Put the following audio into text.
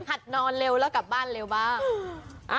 หัดนอนเร็วแล้วกลับบ้านเร็วบ้าง